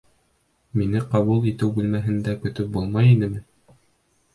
Мине ҡабул итеү бүлмәһендә көтөп булмай инеме?